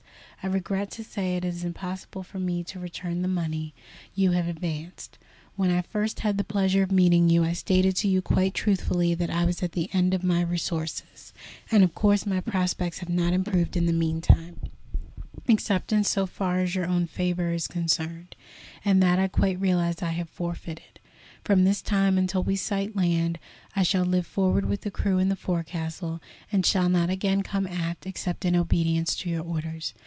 I regret to say it is impossible for me to return the money you have advanced. When I first had the pleasure of meeting you, I stated to you quite truthfully that I was at the end of my resources, and of course my prospects have not improved in the mean time, except in so far as your own favour is concerned, and that, I quite realize, I have forfeited. From this time until we sight land, I shall live forward with the crew in the forecastle, and shall not again come aft except in obedience to your orders.